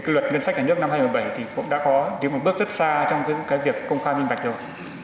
luật ngân sách ở nước năm hai nghìn một mươi bảy cũng đã có một bước rất xa trong việc công khai minh bạch rồi